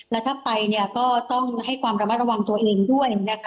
และถ้าไปต้องให้ความรับระวังตัวเองด้วย